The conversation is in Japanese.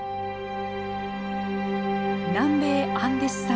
南米アンデス山脈。